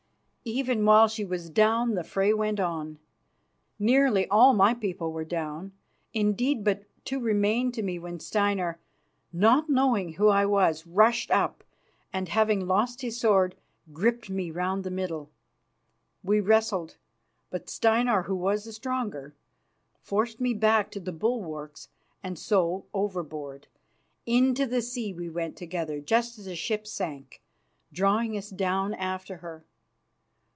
Even while she was down the fray went on. Nearly all my people were down; indeed but two remained to me when Steinar, not knowing who I was, rushed up and, having lost his sword, gripped me round the middle. We wrestled, but Steinar, who was the stronger, forced me back to the bulwarks and so overboard. Into the sea we went together just as the ship sank, drawing us down after her.